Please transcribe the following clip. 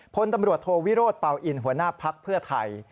พลตำรวจโทวิโรธเปล่าอินหัวหน้าภักดิ์เพื่อไทย